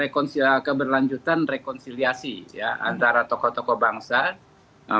keberlanjutan rekonsiliasi antara tokoh tokoh bangsa